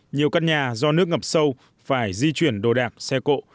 nhiều căn nhà do nước ngập sâu phải di chuyển đồ đạc xe cộ